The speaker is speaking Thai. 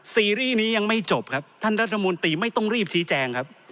ซีรีส์นี้ยังไม่จบครับท่านรัฐมนตรีไม่ต้องรีบชี้แจงครับ